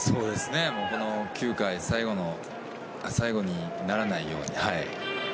この９回、最後にならないように。